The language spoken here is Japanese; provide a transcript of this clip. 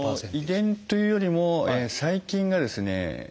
遺伝というよりも細菌がですね